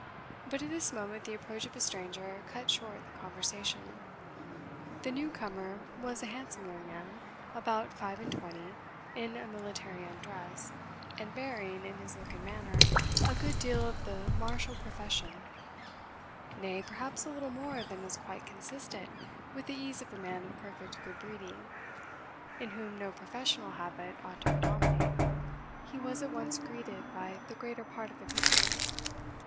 But at this moment the approach of a stranger cut short the conversation. The new comer was a handsome young man, about five and twenty, in a military undress, and bearing, in his look and manner, a good deal of the martial profession nay, perhaps a little more than is quite consistent with the ease of a man of perfect good breeding, in whom no professional habit ought to predominate. He was at once greeted by the greater part of the company.